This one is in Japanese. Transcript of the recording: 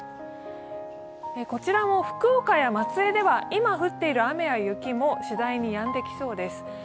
こちらも福岡や松江では今降っている雨や雪もしだいにやんできそうです。